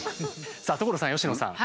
さあ所さん佳乃さん。